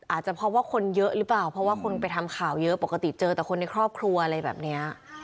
อาจจะเพราะว่าคนเยอะหรือเปล่าเพราะว่าคนไปทำข่าวเยอะปกติเจอแต่คนในครอบครัวอะไรแบบนี้